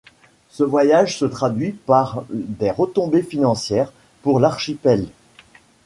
Ce voyage se traduit par des retombées financières pour l’archipel.